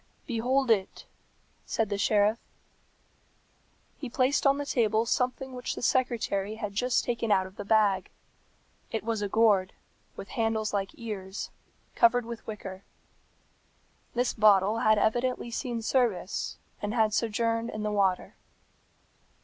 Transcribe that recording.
"Behold it," said the sheriff. He placed on the table something which the secretary had just taken out of the bag. It was a gourd, with handles like ears, covered with wicker. This bottle had evidently seen service, and had sojourned in the water.